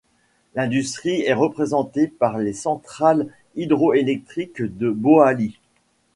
L'industrie est représentée par les centrales hydroéléctriques de Boali.